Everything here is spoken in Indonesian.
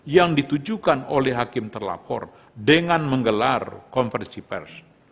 yang ditujukan oleh hakim terlapor dengan menggelar konversi pers